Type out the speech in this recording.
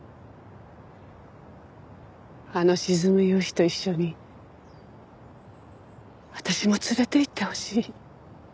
あの沈む夕日と一緒に私も連れて行ってほしい。